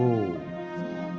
ajudan ferdi sambo